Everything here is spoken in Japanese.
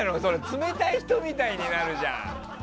冷たい人みたいになるじゃん！